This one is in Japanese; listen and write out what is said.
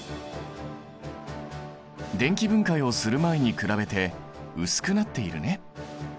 電気分解をする前に比べて薄くなっているね。